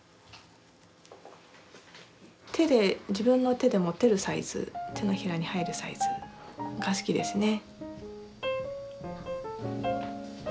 自分の手で持てるサイズ手のひらに入るサイズが好きですね。